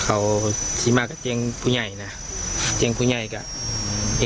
เขาที่มาก็เชี่ยงผู้ใหญ่นะเชี่ยงผู้ใหญ่ก็